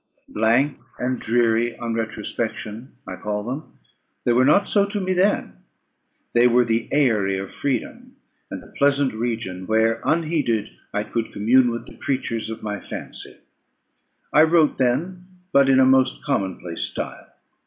Blank and dreary on retrospection I call them; they were not so to me then. They were the eyry of freedom, and the pleasant region where unheeded I could commune with the creatures of my fancy. I wrote then but in a most common place style.